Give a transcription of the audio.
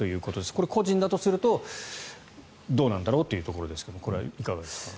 これ、個人だとするとどうなんだろうというところですがこれはいかがですか？